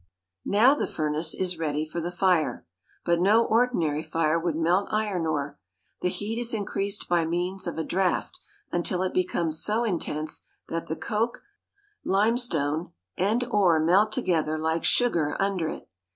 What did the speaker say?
Now the furnace is ready for the fire. But no ordinary fire would melt iron ore. The heat is increased by means of a draught until it becomes so intense that the coke, limestone, and ore melt together like sugar under it.